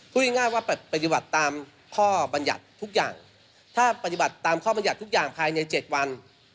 พูดง่ายว่าปฏิบัติตามข้อบรรยัติทุกอย่างถ้าปฏิบัติตามข้อบรรยัติทุกอย่างภายใน๗วัน